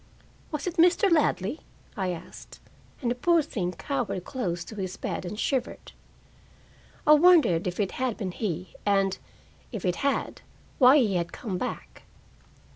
"Was it Mr. Ladley?" I asked, and the poor thing cowered close to his bed and shivered. I wondered if it had been he, and, if it had, why he had come back.